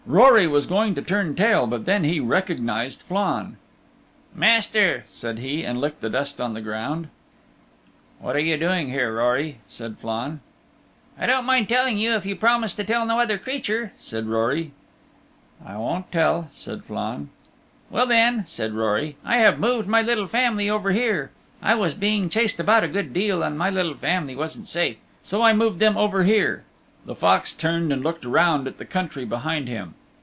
Rory was going to turn tail, but then he recognized Flann. "Master," said he, and he licked the dust on the ground. "What are you doing here, Rory?" said Flann. "I won't mind telling you if you promise to tell no other creature," said Rory. "I won't tell," said Flann. "Well then," said Rory, "I have moved my little family over here. I was being chased about a good deal, and my little family wasn't safe. So I moved them over here." The fox turned and looked round at the country behind him.